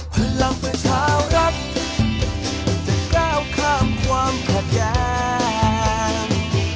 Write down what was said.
พลังประชาวรักษ์จะก้าวข้ามความขาดแย้ง